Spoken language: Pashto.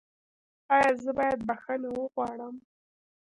ایا زه باید بخښنه وغواړم؟